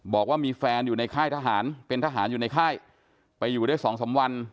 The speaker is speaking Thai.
บอกว่ามีแฟนอยู่ในค่ายทหารเป็นทหารอยู่ในค่ายไปอยู่ได้สองสามวัน